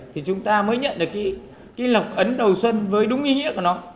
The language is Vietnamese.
thì chúng ta mới nhận được cái lọc ấn đầu xuân với đúng ý nghĩa